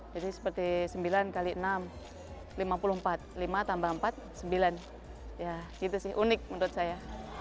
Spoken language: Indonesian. jadi seperti sembilan x enam lima puluh empat lima tambah empat sembilan ya gitu sih unik menurut saya